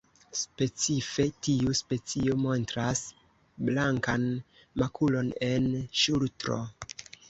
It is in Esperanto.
Specife tiu specio montras blankan makulon en ŝultro.